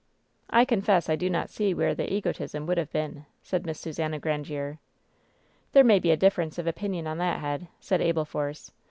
"I confess I do not see where the egotism would have been," said Miss Susannah Grandiere. "There may be a difference of opinion on that head," said Abel Force.